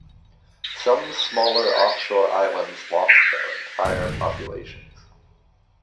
Some smaller offshore islands lost their entire populations.